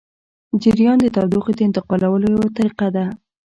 جریان د تودوخې د انتقالولو یوه طریقه ده.